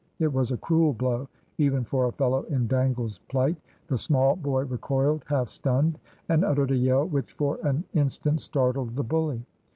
It was a cruel blow even for a fellow in Dangle's plight. The small boy recoiled half stunned, and uttered a yell which for an instant startled the bully.